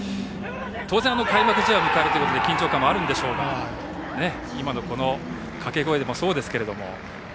当然、開幕試合を迎えるので緊張感もあるんでしょうが掛け声もそうですけれども。